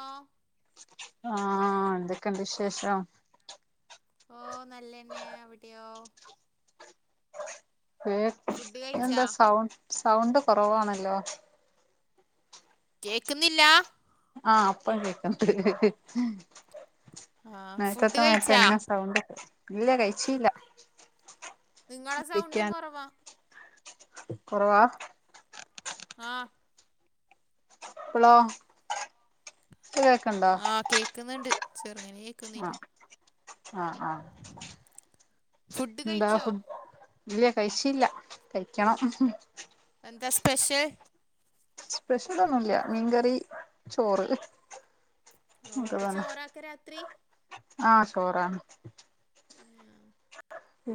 ആഹ് ആഹ് എന്തൊക്കെണ്ട് വിശേഷം ഓ നല്ലന്നേ അവിടെയോ കേക് ഫുഡ് കഴിച്ചാ എന്താ സൗണ്ട് സൗണ്ട് കുറവാണല്ലോ കേക്കുന്നില്ല ആഹ് ഇപ്പൊ കേക്കുന്നുണ്ട് ആ ഫുഡ് നേരത്തെ മാതിരി കഴിച്ചാ തന്നെ സൗണ്ട് ഇല്ല ഇല്ല കഴിച്ചില്ല ങ്ങളെ സൗണ്ടും കുറവാ കുറവാ ആഹ് ഇപ്പളോ ഇപ്പൊ കേ ആഹ് കേൾക്കുന്നുണ്ട് ചെറുങ്ങനെ ആഹ് ആഹ് ആഹ് [unintelligible] ഫുഡ് എന്താ കഴിച്ചോ ഫുഡ് ഇല്ല കഴിച്ചില്ല കഴിക്കണം എന്താ സ്പെഷ്യൽ സ്പെഷ്യൽ ഒന്നുംല്ല മീൻകറി ചോറ് ഓ അവിടെ [unintelligible] ചോറാക്ക രാത്രി ആഹഹ് ചോറാണ്.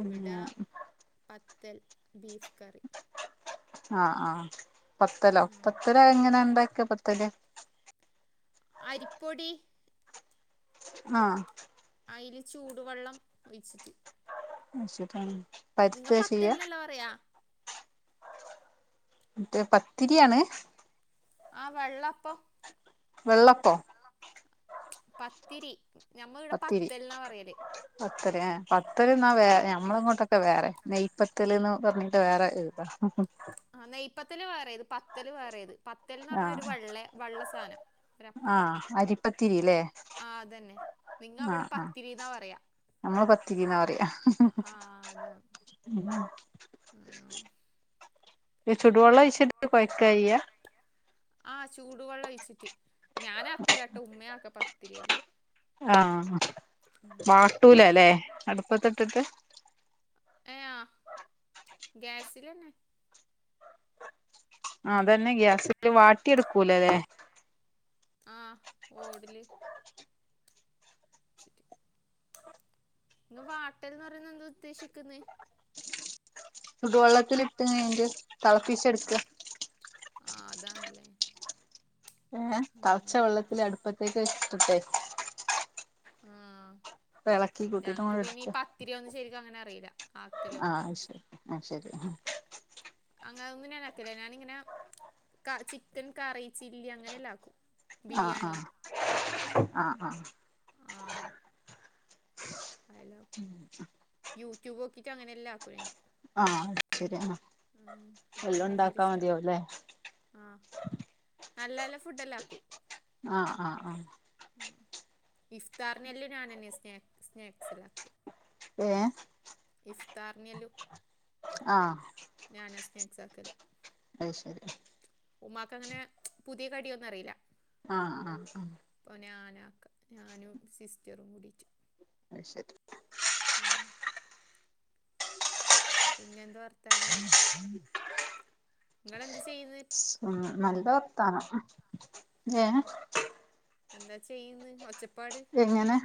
ഇവിട പത്തൽ ബീഫ് കറി ആഹ് ആഹ് പത്തലോ ആ പത്തൽ എങ്ങനാ ഉണ്ടാക്ക പത്തൽ അരിപ്പൊടി ആഹ് അയില് ചൂടുവെള്ളം ഒഴിച്ചിട്ട് [unintelligible] നിങ്ങ ചെയ്യാ പത്തൽന്നല്ല പറയാ മറ്റേ പത്തിരിയാണ് ആഹ് വെള്ളപ്പം വെള്ളപ്പോ പത്തിരി ഞമ്മ ഇവിടെ പത്തിരി, പത്തൽന്നാ പറയല് പത്തൽ ഏ പത്തൽ എന്നാ വേ ഞമ്മള ഇങ്ങോട്ടൊക്കെ വേറെ നെയപ്പ ത്തല്ന്ന് പറഞ്ഞിട്ട് വേറെ ഇതാ ആ നെയ്യപ്പത്തല് വേറെത് പത്തല് വേറെത് പത്തല്ന്നറഞ്ഞാ ഒരു ആഹ് വെള്ള വെള്ള സാധനം ഒരപ്പം ആഹ് അരി പത്തിരി ല്ലേ ആ അതെന്നെ നിങ്ങ അവിടെ പത്തിരി ന്നാപറയാ നമ്മള് പത്തിരി എന്ന പറയ അതാണ് ഉം ഈ ചുടുവെള്ള ഒഴിച്ചിട്ട് കൊയക്ക ചെയ്യാ ആഹ് ചൂടുവെള്ളം ഒഴിച്ചിട്ട് ഞാനാക്കൂലാട്ട ഉമ്മ ആക്ക പത്തിരിയെല്ലോ ആഹ് വാട്ടൂല അല്ലേ അടുപ്പത്തിട്ടിട്ട് ഏഹ് ആഹ് ഗ്യാസില്ന്നെ അതന്നെ ഗ്യാസില് വാട്ടിയ എടുക്കൂല്ല അല്ലെ ആഹ് ഓടല് സിറ്റ് ഇങ്ങ് വാട്ടൽന്ന് പറയുന്നത് എന്താ ഉദ്ദേശിക്കുന്നെ കുടുവെള്ളത്തിൽ ഇിട്ടിട്ട് തിളപ്പിച്ച എടുക്കുക ആഹ് അതാന്നല്ലേ പിന്നെ തെളച്ച വെള്ളത്തില് അടുപ്പത്തേക്ക് വെച്ചിട്ടട്ടെ ആഹ് ഇളക്കി കൂട്ടിട്ട് ഞങ്ങക്ക് അങ്ങോട്ട് പിന്നെ ഈ ഇടിക്ക പത്തിരി ഒന്നും ശരിക്കും അങ്ങനെ അറിയില്ല ആക്കലൊന്നും ആഹ് ശരി ആഹ് ശരി അങ്ങനൊന്നും ഞാൻ ആക്കല്ല ഞാനിങ്ങനെ ചിക്കൻ കറി ചില്ലി അങ്ങനെ എല്ലാം ആക്കും ആഹ് ബിരിയാണി ആഹ് ആഹ് ആഹ് ആഹ് ഐ ലവ് ഉം ഉം യൂട്യൂബ് നോക്കിയിട്ട് അങ്ങനെ എല്ല ആക്കുനാന് ആഹ് ശരിയ എല്ലാം ഉണ്ടാക്കാ മതിയാ അല്ലേ ആഹ് നല്ല നല്ല ഫുഡ് എല്ലാ ആക്കും ആഹ് ആഹ് ആഹ് ഉം ഇഫ്താറിനെല്ലാം ഞൻന്നെയ സ്ന സ്നാക്സ് എല്ലാക്കല് ഏഹ് ഇഫ്താർനലു ആഹ് ഞാനാ സ്നാക്സ് ആക്കല് അയ്ശരി ഉമ്മാക്ക് അങ്ങനെ പുതിയ കടിയൊന്നും അറിയില്ല ആഹ് ആഹ് ആഹ് ഇപ്പൊ ഞാനാക്ക ഞാനും സിസ്റ്ററും കൂടിട്ട് അയ്ശരി ഉം ഉം പിന്നെ എന്താ വർ നിങ്ങളെന്ത് ചെയ്യുന്നത് ഉ ഉം നല്ല വർത്താനം ഉം ഏഹ് എന്താ ചെയ്യന്ന് ഒച്ചപ്പാട് എങ്ങനെ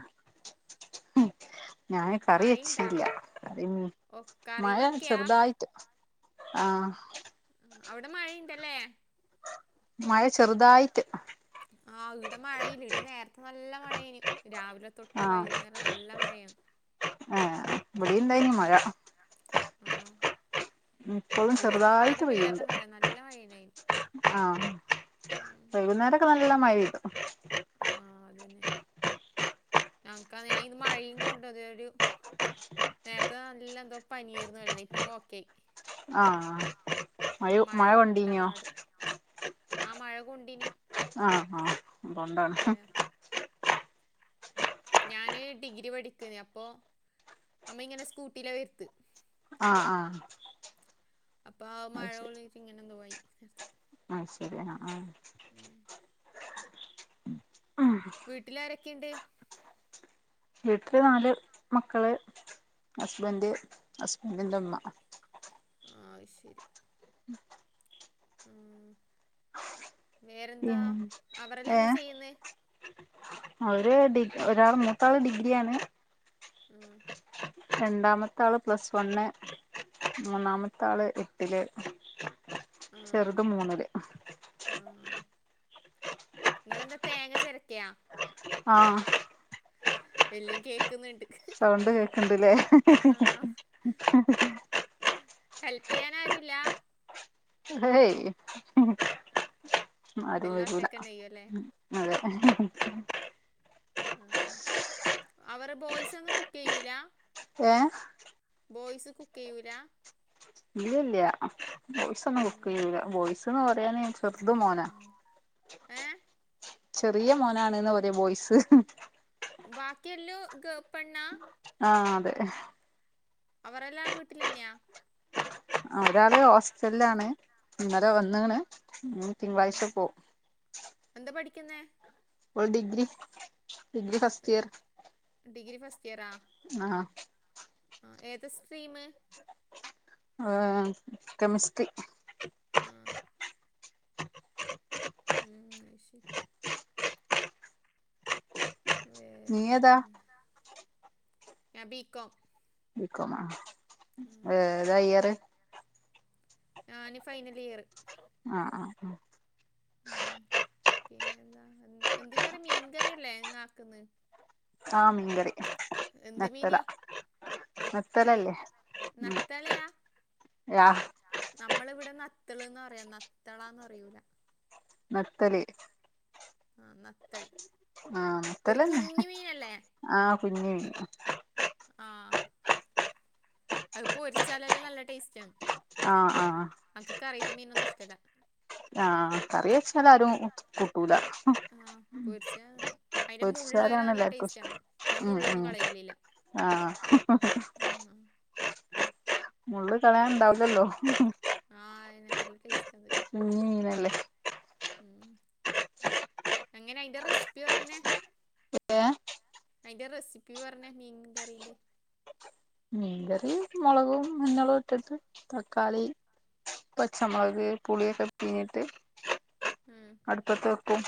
ഉം ഞാന് കറി മഴയിണ്ടാ വച്ചില്ല കറി ഓ കറി മഴ വെക്കയാ ചെറുതായി ത് ആഹ് ആഹ് അവിടെ മഴയുണ്ടല്ലേ മഴ ചെറുതായിട്ട് ആ ഇവിടെ മഴയില്ല ഇടെ നേരത്തെ നല്ല മഴേ നേരത്തെ രാവിലെ തൊട്ട് ആഹ് വൈകുന്നേരം നല്ല മഴയാണ് ഇവിടെ എന്തായിനി മഴ ഉം ഇപ്പോഴും നിർത്താട് ചെറുതായിട്ട് പെയ്യാത്ത പെയ്യ്ണ്ട് മഴ നല്ല മഴനായിന് ആഹ് വൈകുന്നേരൊക്കെ നല്ല മഴ ഇടും ആഹ് അതന്നെ ഞങ്ങക്ക് ഞാൻ ഇത് മഴയും കൊണ്ട അതരു നേരത്തെ നല്ല എന്തോ പനായിരുന്നു വല്ലേ ഇപ്പൊ ഓക്കെയി ആഹ മഴ മഴ കൊണ്ടീനോ ആ മഴ കൊണ്ടീനി ആ ആ അപ്പൊണ്ടാണ് ഞാന് ഡിഗ്രി പഠിക്കുന്ന അപ്പോ അമ്മ ഇങ്ങനെ സ്കൂട്ടിയില വരുത്ത ആ ആ അപ്പൊ ആ മഴ കൊള്ളിട്ട് ഇങ്ങനെ എന്തതു പോയി നേരത്ത് ആ ശരി എന്ന ആ ഉം മ് വീട്ടിലാരൊക്കെയുണ്ട് വീട്ടില് നാല് മക്കള് ഹസ്ബൻഡ് ഹസ്ബൻഡിൻ്റെ അമ്മ ആ ശരി മ് വേറെന്താ പിന്നെ അവരെല്ലാം എന്താ ചെയ്യുന്ന ഒരു ഡിഗ ഒരാൾ മൂത്താൾ ഡിഗ്രിയ ആണ് മ് രണ്ടാമത്ത ആള് പ്ലസ് വണ് മൂന്നാമത്ത ആള് എട്ടില് ആ ചെറുത് മൂന്ന്ല് ആ നിങ്ങെളെന്താ തേങ്ങ ചിരക്കയാ ആ എല്ല കേ നിക്കുന്നുണ്ട് സൗണ്ട് കേക്കണ്ടില്ലേ ഹെൽപ്പ് ചെയ്യാൻ ആരുല്ല ഏയ്‌ അരു എല്ലാം വരൂല ഒറ്റക്ക് തന്നെ ചെയ്യും അല്ലേ അതെ അവർ ബോയ്സ് ഒന്നും കുക്ക് ചെയ്യൂല ഏ ബോയ്സ് കുക്കയൂല ഇല്ലല്ല ബോയ്സ് ഒന്നും കുക്ക് ഉം. ചെയ്ല്ല ബോയ്സ്ന്ന് പറയാന് ചെറുതും മോനാ ഏ ചെറിയ മോനാണ്ന്ന് പറയ ബോയ്സ് ബാക്കിയെല്ലോ ഗ പെണ്ണ ആ അതെ അവരെല്ലാ വീട്ടിലന്നെയാ ഒരാള് ഹോസ്റ്റലിലാണ് ഇന്നലെ വന്നണ് ഉം എന്താ പഠിക്കുന്നേ ഓൾ degree degree first year degree first ഇയറ ആ ആ ഏത് സ്ട്രീം ആ കെമിസ്ട്രി ആ മ് ശരി നീയേതാ വേറെന്താണ് ഞാൻ ബി കോം [unintelligible] ഏതാ ഇയ്യറ് ഞാന് ഫൈനൽ ഇയർ ആ ആ മ് പിന്നെ എന്താ എന്ത കറി മീൻ കറിയല്ലേ ആക്കന്ന് ആ മിങ്കറി എന്ത് നത്തല മീന് നത്തൾ ബത്തലല്ലേ മ് നത്തളയാ ആ നമ്മളിവിടെ നത്തള്ന് റയാ നത്തളാന്ന് പറയുല. നത്തല്. ആ നത്തൽ. ആഹ് നത്തലന്നെ ആ കുഞ്ഞി. ആ അഹ് പൊരിച്ചാലെല്ലാം നല്ല ടേസ്റ്റ് ആണ്. ആഹ ആഹ അനക്ക് കറിയിത്ത മീനൊന്നും ഇഷ്ട്ട ല്ല. ആഹ കറിയെച്ചാല് ആരും കൂട്ടൂല. ആഹ് പൊരിച്ച അതിന്റെ മുള് വരെ പൊരിച്ചാലാണ് നല്ല എല്ലാർക്കും ടേസ്റ്റ് ആണ് ഞാൻ മുള്ളൊന്നും കളയലില്ല. ആ ഹി മുള്ള് കളയാൻ ഇണ്ടാവുല്ലല്ലോ. ആഹ അ തന്നെ നല്ല ടേസ്റ്റാ ത്. ഞ്ഞി മീനാ ല്ലേ? ഉം എങ്ങനെ അയിന്റെ റെസ് പ്പി പറഞ്ഞേ? ഏഹ് അതിന്റെ റെസിപ്പി പറ ഞ്ഞെ മീൻ കറീന്റെ? മീൻ കറി മൊളകും മഞ്ഞളു ഇട്ടിട്ട് തക്കാളീം പച്ചമുളക് പുളിയൊക്കെ പിഞ്ഞിട്ട്. മ് അടുപ്പത്ത് വെക്കും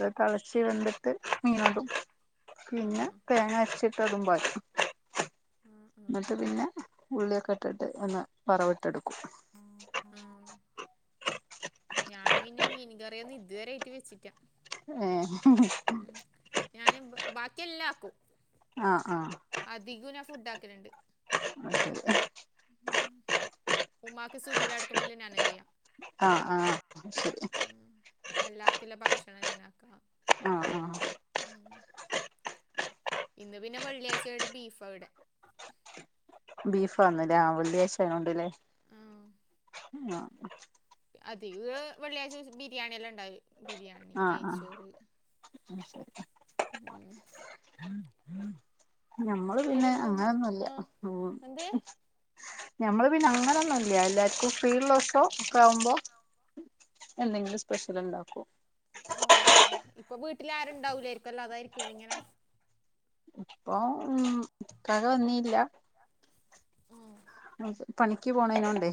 ത് തെ ളച്ച് വെന്തിട്ട് മീനാക്കും പിന്നെ ആഹ് തേങ്ങ അരച്ചിട്ട് അതും പാരും. ആഹ് ന്നിട്ട് ആഹ് പിന്നെ. ഉള്ളിയൊക്കെ ഇട്ടിട്ട് ഒന്ന് വറവിട്ടെടുക്കും. ആഹ് ഞാന് പിന്നെ മീൻ കറിയൊന്നും ഇതുവരെ ആയിട്ട് വെച്ചില്ലാ. ഏ ഹി ഉ ഞാന് ബാക്കിയെല്ലാ ആക്കും. ആ ആ അധികു ഞാൻ ഫുഡ് ആക്കലുണ്ട്. അത് ശരി ഉം ഉമ്മാക്ക് സുഖല്ല കെടുക്കുമ്പല്ലോ ഞാനാ ചെയ്യാ. ആഹ ആഹ ഉ എല്ലാർക്കുല്ല ഭക്ഷണം ഞാനാക്കാ. ആഹ് ആഹ് ഉം ഇന്ന് പിന്നെ വെള്ളിയാഴ്ച്ച ആയോണ്ട് ബീഫാ ഇവി ടെ. ബീഫാന്നില്ലേ വെള്ളിയാഴ്ചാ യോണ്ട് ല്ലേ? ആ ആ അതിക വെള്ളിയാഴ്ച ബിരിയാണിെയെല്ലാം ഇണ്ടാവൽ ബിരിയാണി ആ ആ നെയ്ച്ചോറ്. [unintelligible] ഉം ഞമ്മള് പിന്നെ പേരെന്തും അങ്ങനൊന്നുല്ല ആ ഉം എന്ത്? ഞമ്മള് പിന്നെ അങ്ങനൊന്നുല്ല എല്ലാർക്കും ഫ്രീഉള്ളദിവസൊ ക്കെ ആവുമ്പോ. എന്തെങ്കിലും സ്പെഷ്യൽ ഇണ്ടാക്കും. ഓ അങ്ങനെയാ ഇപ്പൊ വീട്ടിൽ ആരുണ്ടാവില്ലായിരിക്കുംല്ലോ അതായിരിക്കു ല്ല ഇങ്ങനെ. ഇപ്പം ഉം ഇ ക്കക വന്നീല്ല. ഉം പണിക്ക് പോണേണോണ്ടേ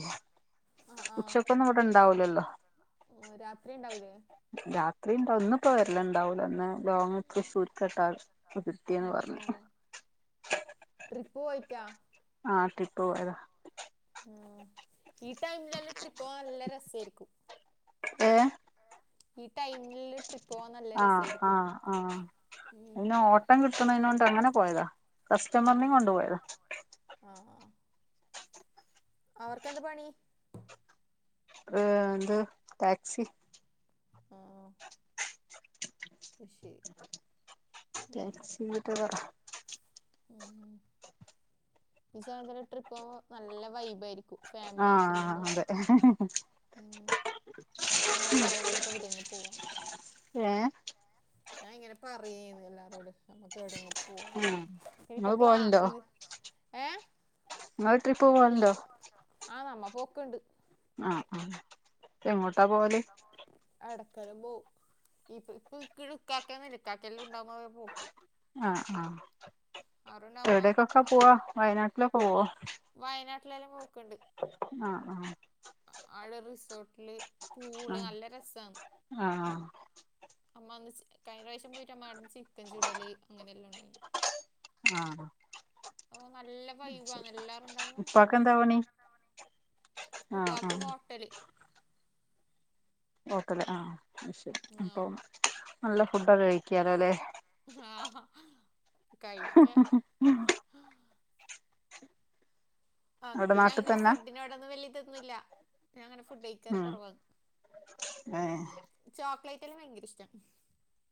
ആഹ് ഉച്ച ആഹ് കൊന്നും ഇവിടെ ഇണ്ടാവുലല്ലോ. ഓ രാത്രി ഇണ്ടാവൂലേ? രാത്രിണ്ടാവും ഇന്ന് ഇപ്പോ വരല് ഇണ്ടാവൂല ഇന്ന് ലോങ് തൃശൂർക്കാട്ട പ്പൊ കിട്ടിയെന്നു ഉം പറഞ്ഞ ഉം [unintelligible] ട്രിപ്പ് പോയിറ്റാ? ആഹ്, ട്രിപ്പ് പോയതാ. ഏഹ്, ഈ ടൈമിലല്ല ട്രിപ്പ് പോവാൻല്ല രസായ്രിക്കും. ഏഹ്, ഈ ടൈമില് ട്രി ആഹ്, ആഹ്, ആഹ്. ഉം പിന്നെ ഓട്ടം കിട്ടുന്നതിനോണ്ട് അങ്ങനെ പോയതാ കസ്റ്റമർനിം കൊണ്ട് പോയതാ. ആഹ്, ആഹ് അവർക്കെന്താ പണി ഏഹ്, ത് ടാക്സി. ആഹ്. [unintelligible] ടാക്സി യൂടൂബറാ. ഉം, ഉം. ഈ സമയത്തൊര് ട്രിപ്പോവുമ്പം നല്ല വൈബേരിക്കും. ഫേമിലിയയ്ട്ടെല്ലം ആഹ് പോവല്. അതെ ഉം എങ്ങനെ പറയും നമക്ക് എവിടെങ്കിലും പോവാം ഏഹ്. ഞാഇങ്ങനെ പറയേന്ന് ല്ലാരോടും. നമ്മക്കേടങ്കും പോവാ, ആഹ് ഇനിപ്പ ഇങ്ങള് ക്ലാ ഇത് ഏഹ്? ങ്ങള് ട്രിപ്പ് പോവൽണ്ടോ? ആഹ് നമ്മ പോക്ക്ണ്ട്. ആഹ്, ആഹ് എങ്ങോട്ടാ പോവല്? എടക്കെല്ലം പോവും. ഈപ്പ് ഇപ്പ് ക്ക്ള് ഇക്കാക്കന്നുല്ല്യ, ഇക്കാക്കെല്ലും ഉണ്ടാവുമ്പഴാ പോക്ക്. ആഹ്, ആഹ് അവരുണ്ടാകുമ്പോ എവിടേക്കൊക്ക പോവാ, വയനാട്ടിലൊക്കെ പോവോ? വയനാട്ടിലെല്ലം പോക്ക്ണ്ട്. ആഹ്, ആഹ് ആടെ റിസോർട്ട്ല് പൂള്, നല്ല രസാന്ന്. ആഹ്, ആഹ് അമ്മഅന്ന് സ് കഴിഞ്ഞറാശ്യം പോയിട്ട് അമ്മ [unintelligible] ചിക്കൻ ചുടല് അങ്ങനെല്ലാണ്ടായിനി. ആഹ് ഓ നല്ല വൈബാന്ന് ശരി എല്ലാരുണ്ടാവുമ്പം. ഉപ്പാക്ക് എന്താ പണി പ്പാക്കെന്താ പണി. ആഹ് ഉപ്പാക്ക് ആഹ് ഹോട്ടല്. ഹോട്ടല് ആഹ്, അശെരി. ഉം. ആ പ്പൊ നല്ല ഫുഡൊക്കെ കഴിക്കാലോല്ലെ. ആഹ്, ഹാ കഴിക്ക്യ. അവിടെ നാട്ടിൽ അൻക്കയ്നങ്ങനെ തന്നാ ഫുഡിനോടൊന്നും വല്യതൊന്നുല്ല. ഞാഅങ്ങനെ ഫുഡ് കഴിക്കറ് ഉം കൊറവാഅ്. ഏഹ്, ചോക്ലേയ്റ്റെല്ലം ഭയങ്കര ഇഷ്ടാ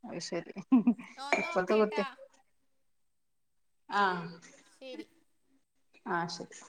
അയ്ശെരി. [unintelligible] ഇപ്പൾത്തെ ഓക്കേട്ടാ കുട്ട്യ [unintelligible] ആഹ്. ശെരി. ആഹ്, ശരി.